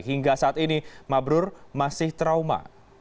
hingga saat ini mabrur masih trauma